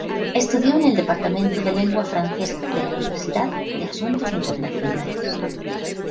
Estudió en el departamento de lengua francesa de la Universidad de Asuntos Internacionales.